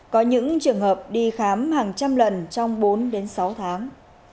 có những trường hợp đi khám hàng trăm lần trong bốn đến sáu tháng